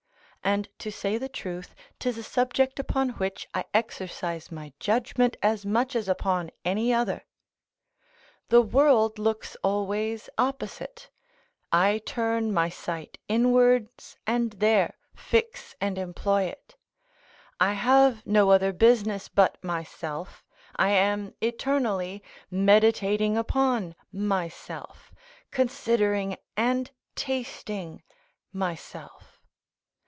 And, to say the truth, 'tis a subject upon which I exercise my judgment as much as upon any other. The world looks always opposite; I turn my sight inwards, and there fix and employ it. I have no other business but myself, I am eternally meditating upon myself, considering and tasting myself.